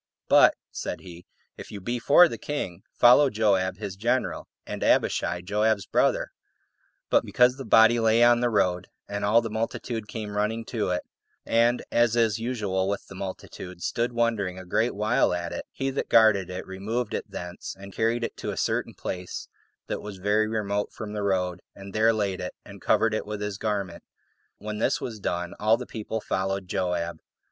"But," said he, "if you be for the king, follow Joab his general, and Abishai, Joab's brother:" but because the body lay on the road, and all the multitude came running to it, and, as is usual with the multitude, stood wondering a great while at it, he that guarded it removed it thence, and carried it to a certain place that was very remote from the road, and there laid it, and covered it with his garment. When this was done, all the people followed Joab.